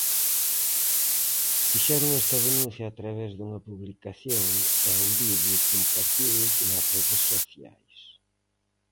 Fixeron esta denuncia a través dunha publicación e un vídeo compartidos nas redes sociais.